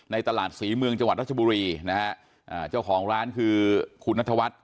ตลาดศรีเมืองจังหวัดรัชบุรีนะฮะอ่าเจ้าของร้านคือคุณนัทวัฒน์